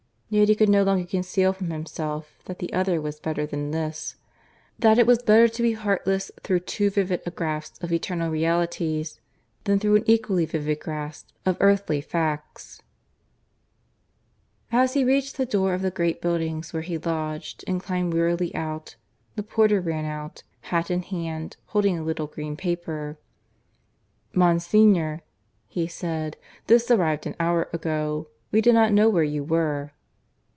Yet he could no longer conceal from himself that the other was better than this that it was better to be heartless through too vivid a grasp of eternal realities, than through an equally vivid grasp of earthly facts. As he reached the door of the great buildings where he lodged, and climbed wearily out, the porter ran out, hat in hand, holding a little green paper. "Monsignor," he said, "this arrived an hour ago. We did not know where you were."